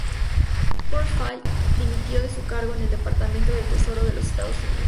Butterfield dimitió de su cargo en el Departamento del Tesoro de los Estados Unidos.